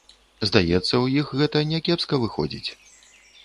Здаецца, у іх гэта някепска выходзіць.